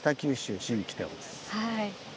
はい。